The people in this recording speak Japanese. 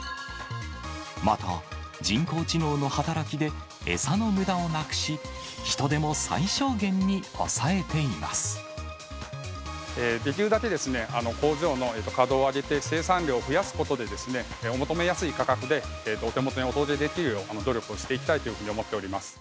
また、人工知能の働きで、餌のむだをなくし、人手も最小限に抑えていまできるだけ、工場の稼働を上げて、生産量を増やすことで、お求めやすい価格でお手元にお届けできるよう、努力をしていきたいというふうに思っております。